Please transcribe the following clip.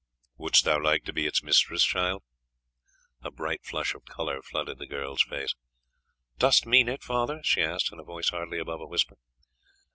"Wouldst thou like to be its mistress, child?" A bright flush of colour flooded the girl's face. "Dost mean it, father?" she asked in a voice hardly above a whisper.